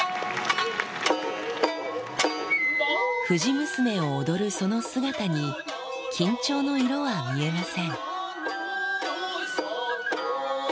藤娘を踊るその姿に、緊張の色は見えません。